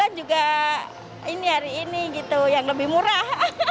ya juga ini hari ini gitu yang lebih murah